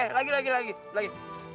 eh eh lagi lagi lagi